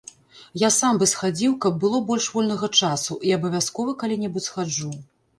Я сам бы схадзіў, каб было больш вольнага часу, і абавязкова калі-небудзь схаджу.